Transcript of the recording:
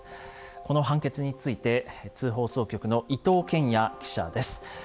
この判決について津放送局の伊藤憲哉記者です。